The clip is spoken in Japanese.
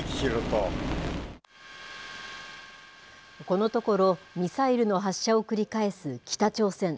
このところ、ミサイルの発射を繰り返す北朝鮮。